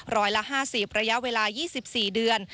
ร้อยละ๕๐ระยะเวลา๒๔เดือน